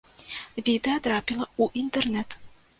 Відэа трапіла ў інтэрнэт.